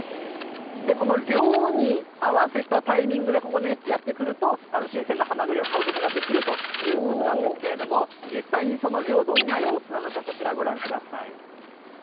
この漁に合わせたタイミングでここにやって来ると、新鮮なはまぐりを買うことができるということなんですけれども、実際にその漁、どんな様子なのか、こちらご覧ください。